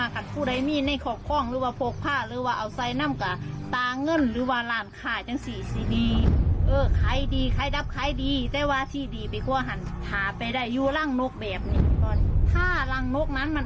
ครับคุณอาจารย์